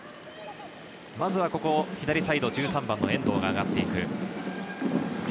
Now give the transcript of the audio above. まずは左サイド、１３番の遠藤が上がっていく。